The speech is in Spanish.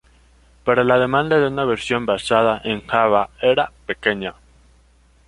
Pero la demanda de una versión basada en Java era pequeña.